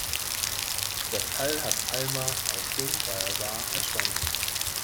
Das Teil hat Alma auf dem Basar erstanden.